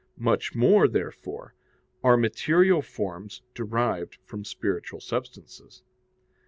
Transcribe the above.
Much more, therefore, are material forms derived from spiritual substances.